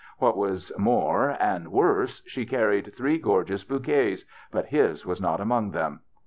What was more and worse, she carried three gorgeous bouquets, but his was not among them.